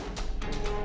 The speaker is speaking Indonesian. minta siapkan ruang vip